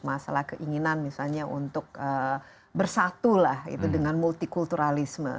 masalah keinginan misalnya untuk bersatu lah dengan multi kulturalisme